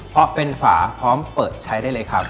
เพราะเป็นฝาพร้อมเปิดใช้ได้เลยครับ